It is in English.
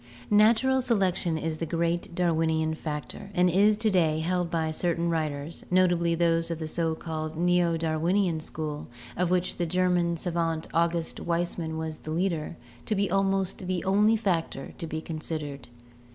Natural selection is the great Darwinian factor, and is to day held by certain writers, notably those of the so called Neo Dar winian school, of which the German savant August Weismann was the leader, to be almost the only factor to be considered.